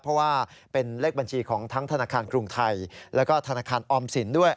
เพราะว่าเป็นเลขบัญชีของทั้งธนาคารกรุงไทยแล้วก็ธนาคารออมสินด้วย